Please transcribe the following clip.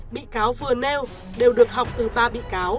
bị cáo vừa nêu đều được học từ ba bị cáo